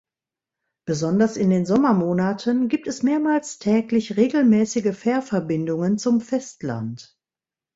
Besonders in den Sommermonaten gibt es mehrmals täglich regelmäßige Fährverbindungen zum Festland.